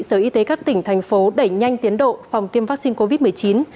sở y tế các tỉnh thành phố đẩy nhanh tiến độ phòng tiêm vaccine covid một mươi chín